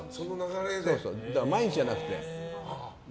毎日じゃなくて。